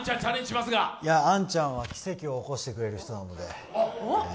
杏ちゃんは奇跡を起こしてくれる人なので。